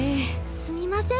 すみません。